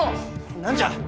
何じゃ。